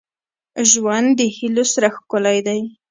• ژوند د هيلو سره ښکلی دی.